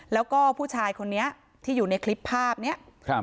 แล้วก็ผู้ชายคนนี้ที่อยู่ในคลิปภาพนี้